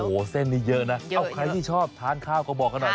โอ้โหเส้นนี้เยอะนะเอ้าใครที่ชอบทานข้าวก็บอกกันหน่อย